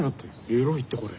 エロいってこれ。